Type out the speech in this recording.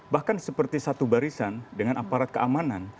bahkan seperti satu barisan dengan aparat keamanan